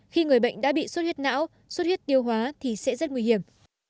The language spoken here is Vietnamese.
khi người bệnh đã bị sốt huyết não xuất huyết tiêu hóa thì sẽ rất nguy hiểm